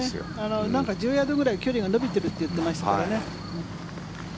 １０ヤードぐらい距離が伸びてると言ってましたけどね。